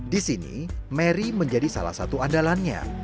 disini mary menjadi salah satu andalannya